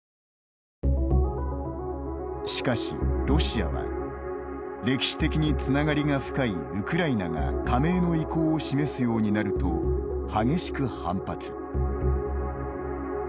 しかし、ロシアは歴史的につながりが深いウクライナが加盟の意向を示すようになると激しく反発。